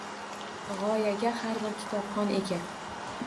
G‘oyaga har bir kitobxon ega.